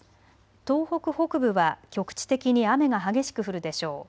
東北北部は局地的に雨が激しく降るでしょう。